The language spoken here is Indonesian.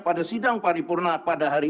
pada sidang paripurna pada hari